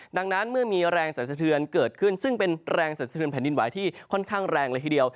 ดังนั้นเมื่อมีแรงสรรสะเทือนเกิดขึ้นซึ่งเป็นแรงสันสะเทือนแผ่นดินไหวที่ค่อนข้างแรงเลยทีเดียว